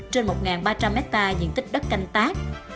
trên một ba trăm linh hectare diện tích đất canh tác